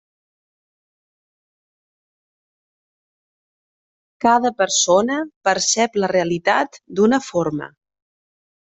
Cada persona percep la realitat d'una forma.